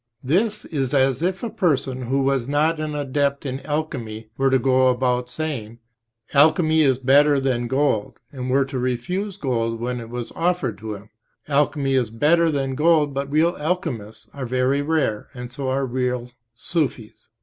This is as if a person who was not an adept in alchemy were to go about saying, "Alchemy is better than in gold," and were to refuse gold when it was offered to him. Alchemy is better than gold, but real alchemists are very rare, and so are real Sufis.